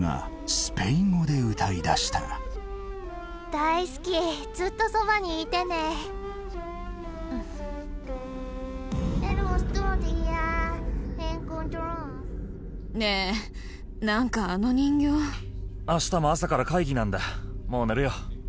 大好きずっとそばにいてねねえ何かあの人形明日も朝から会議なんだもう寝るよ